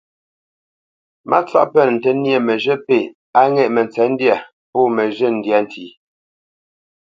Mátsáʼ pə́nə ntə́ nyê məzhə̂ pêʼ á ŋɛ̂ʼ mətsə̌ndyâ pó məzhyə́ ndyâ ntí.